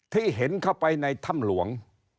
ที่เห็นเข้าไปในถ้ำหลวง